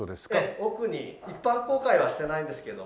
一般公開はしてないんですけども。